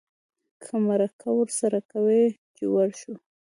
که مرکه ورسره کوې چې ورشو.